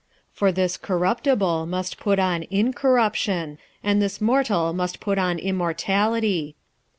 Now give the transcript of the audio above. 46:015:053 For this corruptible must put on incorruption, and this mortal must put on immortality.